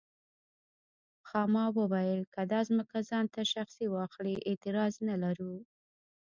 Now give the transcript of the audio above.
خاما وویل که دا ځمکه ځان ته شخصي واخلي اعتراض نه لرو.